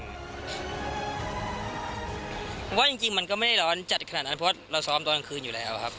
เพราะว่าจริงมันก็ไม่ได้ร้อนจัดขนาดนั้นเพราะเราซ้อมตอนกลางคืนอยู่แล้วครับ